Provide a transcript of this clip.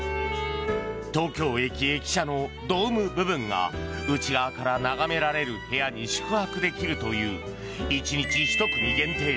東京駅駅舎のドーム部分が内側から眺められる部屋に宿泊できるという１日１組限定